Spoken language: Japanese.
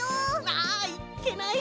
ああいっけない！